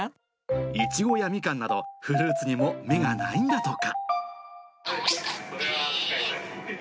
イチゴやミカンなど、フルーツにも目がないんだとか。